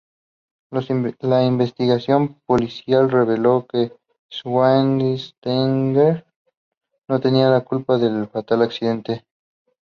La investigación policial reveló que Schweinsteiger no tenía la culpa del fatal accidente.